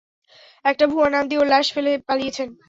একটা ভুয়া নাম দিয়ে, ওর লাশ ফেলে পালিয়েছেন।